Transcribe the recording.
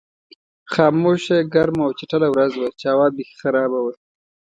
خاموشه، ګرمه او چټله ورځ وه چې هوا بېخي خرابه وه.